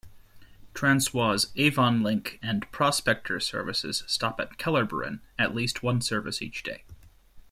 Transwa's "Avonlink" and "Prospector" services stop at Kellerberrin, at least one service each day.